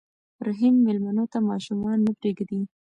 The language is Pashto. رحیم مېلمنو ته ماشومان نه پرېږدي.